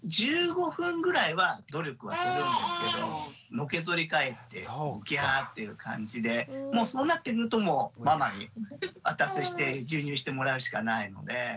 １５分ぐらいは努力はするんですけどのけぞりかえってギャーッていう感じでそうなってくるともうママに渡して授乳してもらうしかないので。